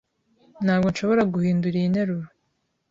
Ntabwo nshobora guhindura iyi nteruro.